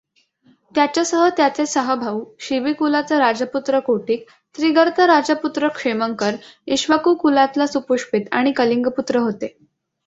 त्याच्यासह त्याचे सहा भाऊ, शिबिकुलाचा राजपुत्र कोटिक, त्रिगर्तराजपुत्र क्षेमंकर, इक्ष्वाकुकुलातला सुपुष्पित आणि कलिंगपुत्र होते.